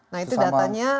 nah itu datanya